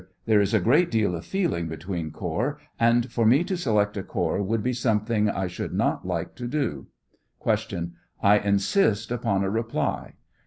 There is a great deal of feeling between corps, 67 and for me to select a corps would be something I should not like to do. Q. I insist upon a reply?